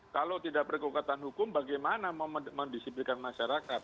kalau tidak berkekuatan hukum bagaimana mendisiplinkan masyarakat